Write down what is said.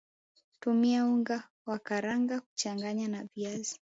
tumia unga wa karanga kuchanganya na viazi